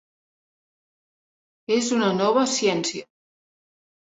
És una nova ciència.